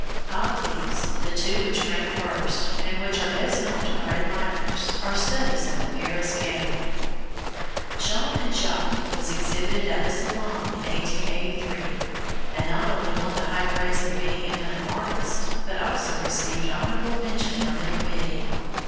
Of these, the two which rank first, and which are best known to her admirers, are studies of the Paris gamin. Jean and Jacques was exhibited at the Salon of 1883, and not only won the high praise of many eminent artists, but also received "honorable mention" from the committee.